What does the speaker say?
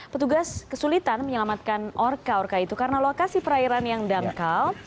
petugas kesulitan menyelamatkan orka orka itu karena lokasi perairan yang dangkal